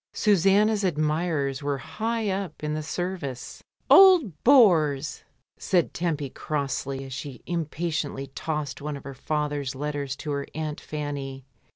Susanna's admirers were high up in the service. "Old bores!" said Tempy crossly as she im patiently tossed one of her father's letters to her aunt Fanny.